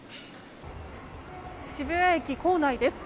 渋谷駅構内です。